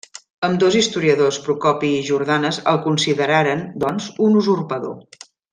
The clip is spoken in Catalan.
Ambdós historiadors Procopi i Jordanes el consideraren, doncs, un usurpador.